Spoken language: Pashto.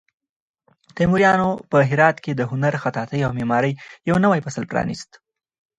تیموریانو په هرات کې د هنر، خطاطۍ او معمارۍ یو نوی فصل پرانیست.